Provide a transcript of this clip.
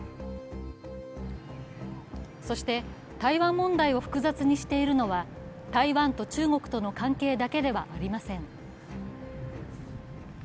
そして、台湾問題を複雑にしているのは台湾と中国の関係だけではありません。